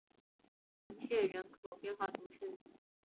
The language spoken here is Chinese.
芒谢人口变化图示